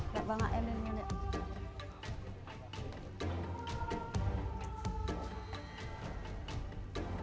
dạ vâng ạ em đến nhanh nhé